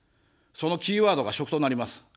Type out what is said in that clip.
そのキーワードが食となります。